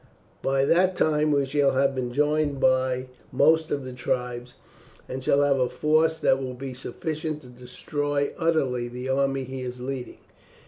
By that time we shall have been joined by most of the tribes, and shall have a force that will be sufficient to destroy utterly the army he is leading.